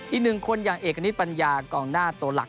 อีกหนึ่งคนอย่างเอกณิตปัญญากองหน้าตัวหลัก